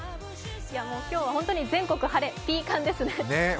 今日は本当に全国晴れ、ピーカンですね。